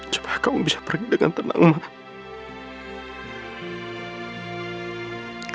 supaya kamu bisa pergi dengan tenang mak